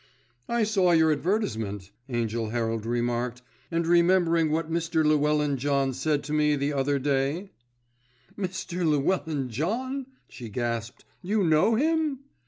"I saw your advertisement," Angell Herald remarked, "and remembering what Mr. Llewellyn John said to me the other day——" "Mr. Llewellyn John," she gasped. "You know him?"